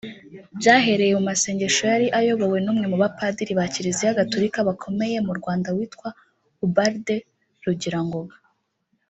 Byahereye mu masengesho yari ayobowe n’umwe mu bapadiri ba Kiriziya Gatulika bakomeye mu Rwanda witwa Ubald Rugirangoga